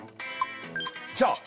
・きた？